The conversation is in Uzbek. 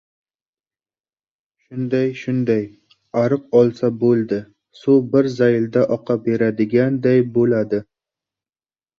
Shunday-shunday ariq olsa bo‘ldi — suv bir zaylda oqa beradiganday bo‘ladi.